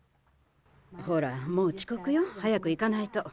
ほらもうちこくよ早く行かないと。